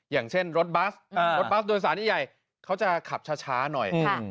อย่างเช่นรถบัสรถบัสโดยสารใหญ่เขาจะขับช้าหน่อย